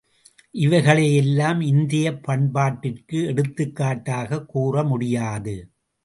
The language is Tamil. இவைகளை எல்லாம் இந்தியப் பண்பாட்டிற்கு எடுத்துக்காட்டாகக் கூற முடியாது.